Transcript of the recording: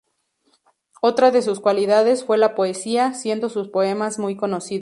Otra de sus cualidades fue la poesía, siendo sus poemas muy conocidos.